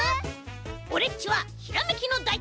オレっちはひらめきのだいてんさい！